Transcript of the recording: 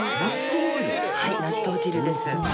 はい納豆汁です。